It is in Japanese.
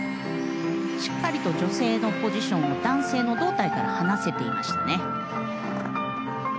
しっかりと女性のポジションを男性の胴体から離せていましたね。